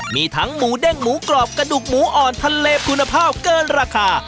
มีทั้งหมูเด้งหมูกรอบกระดูกหมูอ่อนทะเลคุณภาพเกินราคา